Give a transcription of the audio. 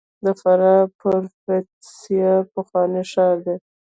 د فراه پروفتاسیا پخوانی ښار دی